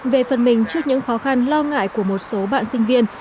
về phần mình trước những khó khăn lo ngại của một số bạn sinh viên